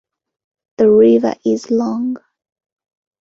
The river is long.